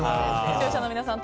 視聴者の皆さん